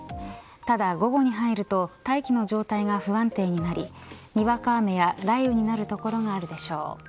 ただ午後に入ると大気の状態が不安定になりにわか雨や雷雨になる所があるでしょう。